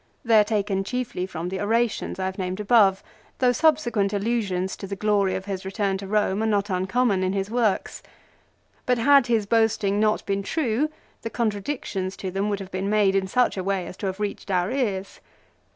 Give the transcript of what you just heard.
They are taken chiefly from the orations I have named above, though subsequent allusions to the glory of his return to Eome are not uncommon in his works. But had his boasting not been true, the contradictions to them would have been made in such a way as to have reached our ears.